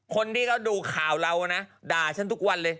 คนที่เขาดูข่าวเรานะด่าฉันทุกวันเลย